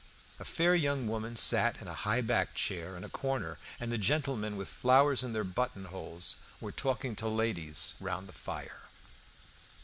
A fair young woman sat in a high backed chair in a corner; and gentlemen with flowers in their buttonholes were talking to ladies round the fire.